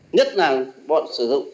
nhất là bọn sử dụng